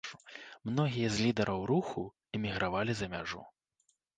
Многія з лідараў руху эмігравалі за мяжу.